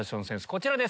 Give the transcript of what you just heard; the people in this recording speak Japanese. こちらです。